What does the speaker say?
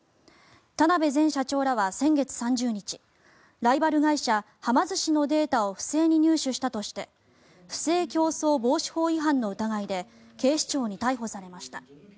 田辺前社長らは先月３０日ライバル会社はま寿司のデータを不正に入手したとして不正競争防止法の疑いで警視庁に逮捕されました。